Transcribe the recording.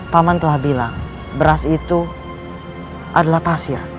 paman telah bilang beras itu adalah pasir